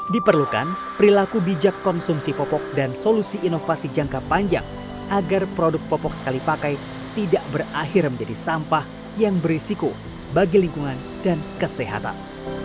diperlukan perilaku bijak konsumsi popok dan solusi inovasi jangka panjang agar produk popok sekali pakai tidak berakhir menjadi sampah yang berisiko bagi lingkungan dan kesehatan